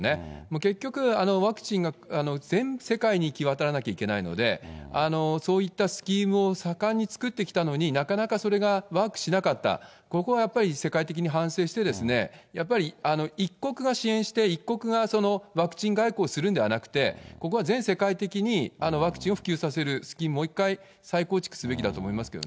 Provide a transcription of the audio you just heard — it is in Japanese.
結局、ワクチンが全世界に行き渡らなきゃいけないので、そういったスキームを盛んに作ってきたのに、なかなかそれがワークしなかった、ここはやっぱり、世界的に反省して、やっぱり１国が支援して、１国がワクチン外交をするんではなくて、ここは全世界的に、ワクチンを普及させるスキームを、もう一回、再構築すべきだと思いますけど。